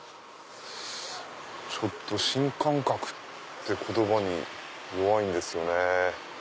ちょっと「新感覚」って言葉に弱いんですよね。